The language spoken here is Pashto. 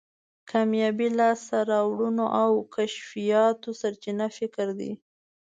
کامیابی، لاسته راوړنو او کشفیاتو سرچینه فکر دی.